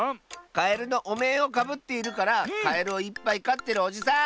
カエルのおめんをかぶっているからカエルをいっぱいかってるおじさん！